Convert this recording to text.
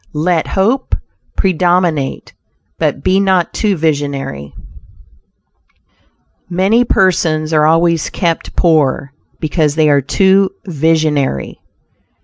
LET HOPE PREDOMINATE, BUT BE NOT TOO VISIONARY Many persons are always kept poor, because they are too visionary.